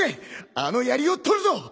あのやりを取るぞ！